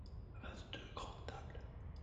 vingt deux grandes tables.